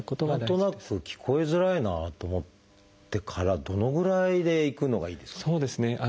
何となく聞こえづらいなと思ってからどのぐらいで行くのがいいですかね。